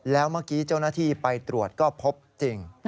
แล้วเมื่อกี้เจ้าหน้าที่ไปตรวจก็พบจริง